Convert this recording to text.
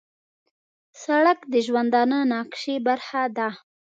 سړک د ژوندانه نقشې برخه ده.